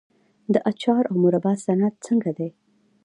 د اچار او مربا صنعت څنګه دی؟